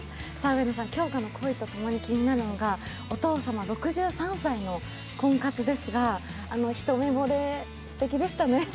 上野さん、杏花の恋と共に気になるのがお父様、６３歳の婚活ですが、一目ぼれ、すてきでしたね。